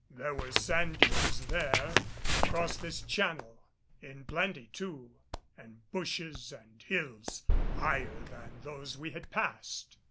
There were sand dunes there, across this channel, in plenty too and bushes and hills higher than those we had passed.